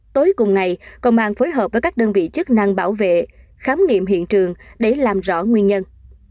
tối cùng ngày công an phối hợp với các đơn vị chức năng bảo vệ khám nghiệm hiện trường để làm rõ nguyên nhân